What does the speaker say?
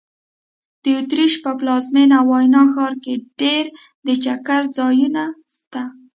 د اوترېش په پلازمېنه ویانا ښار کې ډېر د چکر ځایونه سته.